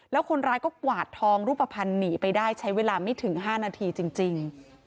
แล้วคนร้ายก็กวาดทองรูปภัณฑ์หนีไปได้ใช้เวลาไม่ถึง๕นาทีจริง